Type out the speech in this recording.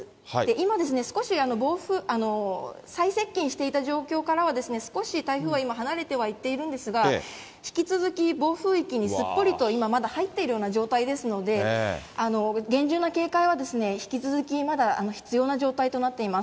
今、少し最接近していた状況からは、少し台風は今、離れてはいっているんですが、引き続き暴風域にすっぽりと今、まだ入っているような状態ですので、厳重な警戒は引き続きまだ必要な状態となっています。